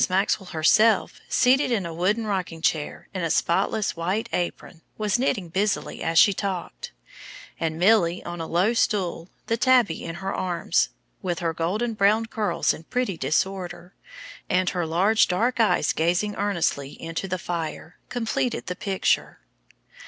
Maxwell herself, seated in a wooden rocking chair, in spotless white apron, was knitting busily as she talked; and Milly on a low stool, the tabby in her arms, with her golden brown curls in pretty disorder, and her large dark eyes gazing earnestly into the fire, completed the picture.